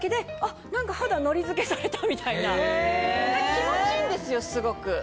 気持ちいいんですよすごく。